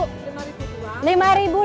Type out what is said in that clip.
lima dapat dua